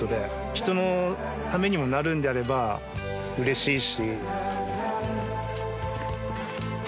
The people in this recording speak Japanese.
人のためにもなるのであれば嬉しいし。